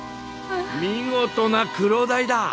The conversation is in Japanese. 見事なクロダイだ！